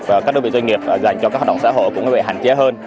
và các đơn vị doanh nghiệp dành cho các hoạt động xã hội cũng bị hạn chế hơn